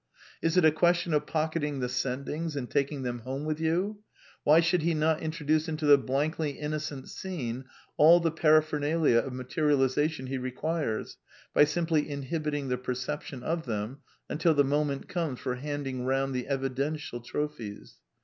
Is it a question of pocketing the ^^ sendings " and taking them home with you, why should he not introduce into the blankly innocent scene all the paraphernalia of mate rialization he requires, by simply inhibiting the perception of them, until the moment comes for handing round the evidential trophies?